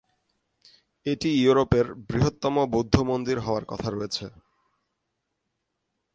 এটি ইউরোপের বৃহত্তম বৌদ্ধ মন্দির হওয়ার কথা রয়েছে।